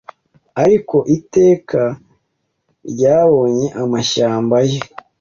Ariko Iteka ryabonye amashyamba ye